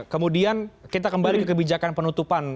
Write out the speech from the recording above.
kemudian kita kembali ke kebijakan penutupan